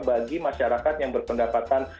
bagi masyarakat yang berpendapatan